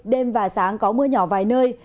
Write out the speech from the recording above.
đêm và sáng có mưa nhỏ vài nơi